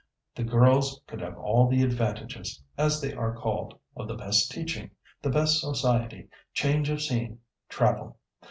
"The girls could have all the 'advantages,' as they are called, of the best teaching, the best society, change of scene, travel.